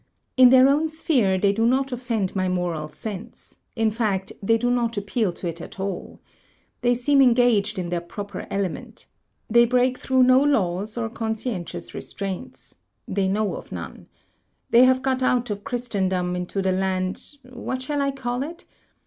In their own sphere, they do not offend my moral sense; in fact, they do not appeal to it at all. They seem Engaged in their proper element. They break through no laws, or con scientious restraints. They know of none. They have got out of Christendom into the land — what shall I call it?